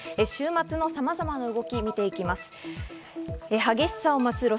週末のさまざまな動き、見ていきます。